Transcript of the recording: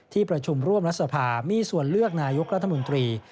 ที่ประชุมร่วมรัฐสภามีส่วนเลือกนายกรัฐมนตรี